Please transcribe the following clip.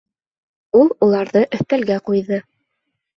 Ул уларҙы өҫтәлгә ҡуйҙы.